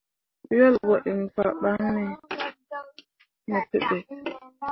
Wel ɓo iŋ fabaŋni mo teɓe.